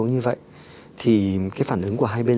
người ta chi trả hết